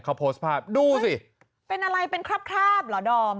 เขาโพสต์ภาพดูสิเป็นอะไรเป็นคราบคราบเหรอดอม